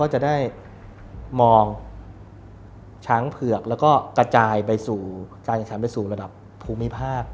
ช้างเผือกแล้วก็กระจายไปสู่ระดับภูมิภาค